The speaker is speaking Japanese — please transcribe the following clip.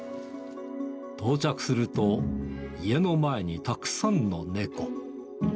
到着すると、家の前にたくさんの猫。